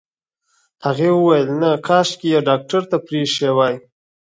هغې وويل نه کاشکې يې ډاکټر ته پرېښې وای.